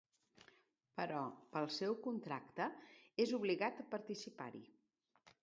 Però, pel seu contracte, és obligat a participar-hi.